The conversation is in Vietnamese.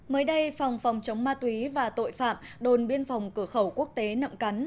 mới đây phòng phòng chống ma túy và tội phạm đồn biên phòng cửa khẩu quốc tế nậm cắn